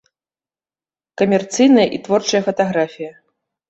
Камерцыйная і творчая фатаграфія.